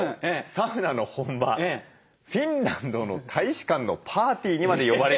サウナの本場フィンランドの大使館のパーティーにまで呼ばれると。